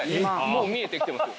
もう見えて来てます。